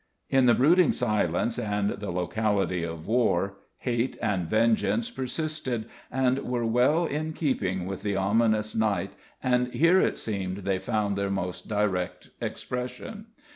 In the brooding silence and the locality of war, Hate and Vengeance persisted, and were well in keeping with the ominous night, and here it seemed they found their most direct expression.